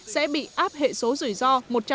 sẽ bị áp hệ số rủi ro một trăm hai mươi